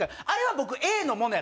あれは僕。